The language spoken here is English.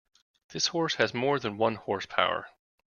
This horse has more than one horse power.